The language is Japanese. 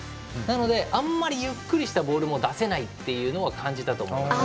あんまりゆっくりしたボールも出せないっていうのは感じたと思います。